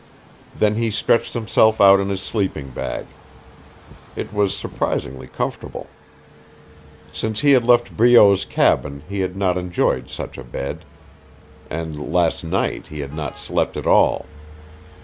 Then he stretched himself out in his sleeping bag. It was surprisingly comfortable. Since he had left Breault's cabin he had not enjoyed such a bed. And last night he had not slept at all.